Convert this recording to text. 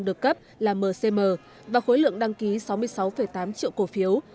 được cấp là mcm và khối lượng đăng ký sáu mươi sáu tám triệu cổ phiếu